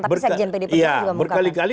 tapi sekjen pdip juga mengungkapkan